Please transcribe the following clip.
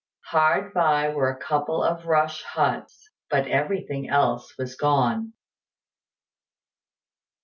Hard by were a couple of rush huts; but everything else was gone.